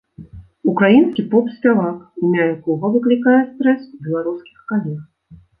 Украінскі поп-спявак, імя якога выклікае стрэс у беларускіх калег.